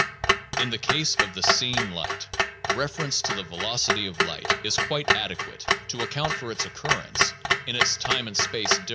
In the case of the seen light, 3 reference to the velocity of light is quite adequate to account for its occurrence in its time and space difference from the star.